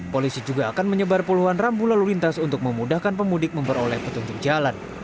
polisi juga akan menyebar puluhan rambu lalu lintas untuk memudahkan pemudik memperoleh petunjuk jalan